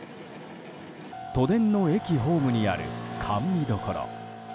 都電の駅ホームにある甘味処。